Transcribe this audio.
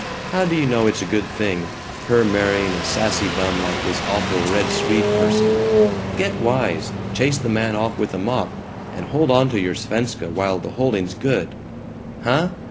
How do you know it's a good thing, her marrying a sassy bum like this awful Red Swede person? Get wise! Chase the man off with a mop, and hold onto your Svenska while the holding's good. Huh?